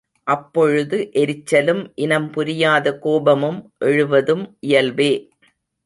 அப்பொழுது எரிச்சலும், இனம் புரியாத கோபமும் எழுவதும் இயல்பே.